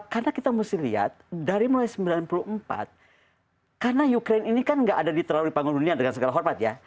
karena kita mesti lihat dari mulai seribu sembilan ratus sembilan puluh empat karena ukraine ini kan nggak ada di terlalu di panggung dunia dengan segala hormat ya